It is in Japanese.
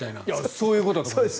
そういうことだと思います。